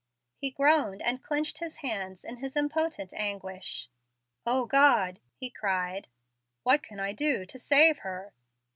He groaned and clenched his hands in his impotent anguish. "O God!" he cried, "what can I do to save her."